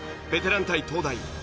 ベテラン対東大